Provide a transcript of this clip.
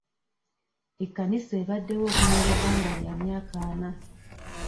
Ekkanisa ebaddewo okumala ebbanga lya myaka ana.